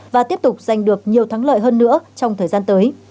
và tiếp tục giành được nhiều thắng lợi hơn nữa trong thời gian tới